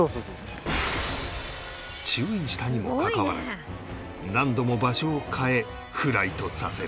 注意したにもかかわらず何度も場所を変えフライトさせる